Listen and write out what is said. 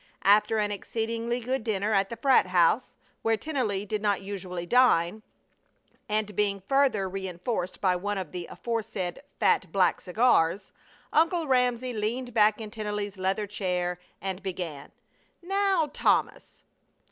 After an exceedingly good dinner at the frat. house, where Tennelly did not usually dine, and being further reinforced by one of the aforesaid fat black cigars, Uncle Ramsey leaned back in Tennelly's leather chair, and began: "Now, Thomas!"